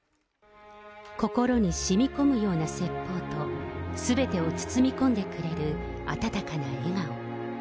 心にしみこむような説法と、すべてを包み込んでくれる温かな笑顔。